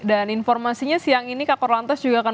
dan informasinya siang ini kakor lantas juga akan